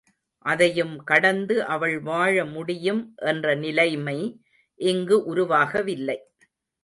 அதையும் கடந்து அவள் வாழ முடியும் என்ற நிலைமை இங்கு உருவாகவில்லை.